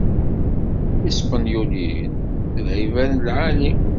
Ispenyulen d lɛibad n lɛali.